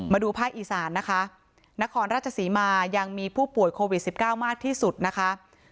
มาดูภาคอีสานนะคะนครราชศรีมายังมีผู้ป่วยโควิด๑๙มากที่สุดนะคะ